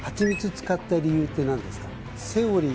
使った理由って何ですか？